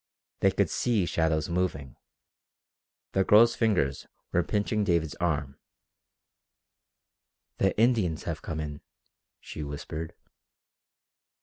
They could see shadows moving. The girl's fingers were pinching David's arm. "The Indians have come in," she whispered.